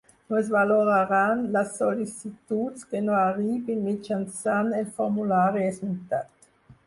No es valoraran les sol·licituds que no arribin mitjançant el formulari esmentat.